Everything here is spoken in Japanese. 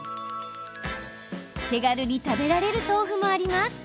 手軽に食べられる豆腐もあります。